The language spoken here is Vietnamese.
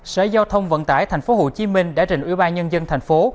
sở giao thông vận tải thành phố hồ chí minh đã trình ủy ban nhân dân thành phố